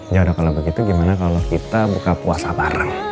yaudah kalo begitu gimana kalo kita buka puasa bareng